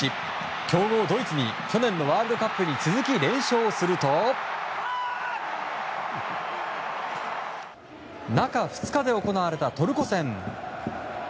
強豪ドイツに去年のワールドカップに続き連勝すると中２日で行われたトルコ戦。